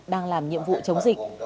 đang làm nhiệm vụ chống dịch